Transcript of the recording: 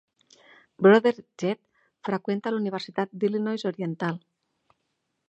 Brother Jed freqüenta l'Universitat d'Illinois Oriental.